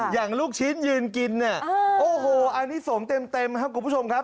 อย่างลูกชิ้นยืนกินอานนี้ส่งเต็มครับกับผู้ชมครับ